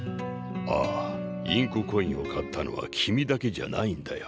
ああインココインを買ったのは君だけじゃないんだよ。